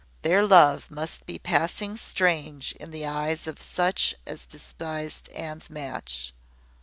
Their love must be passing strange in the eyes of all such as despised Anne's match.